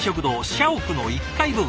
社屋の１階部分。